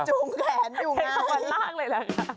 คุณครูจูงแขนอยู่ไง